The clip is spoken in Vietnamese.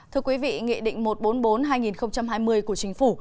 thưa quý vị nghị định một trăm bốn mươi bốn hai nghìn hai mươi của chính phủ